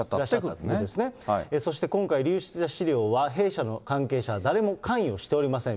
ということですね、そして今回流出した資料は、弊社の関係者、誰も関与しておりません。